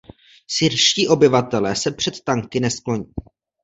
Syrští obyvatelé se před tanky neskloní.